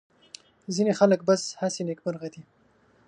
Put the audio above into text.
ځینې خلک بس هسې نېکمرغه دي.